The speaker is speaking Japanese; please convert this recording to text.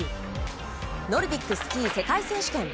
ノルディックスキー世界選手権。